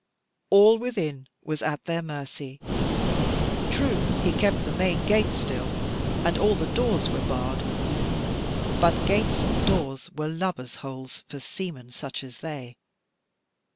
All within was at their mercy. True he kept the main gate still, and all the doors were barred; but gates and doors were lubber's holes for seamen such as they.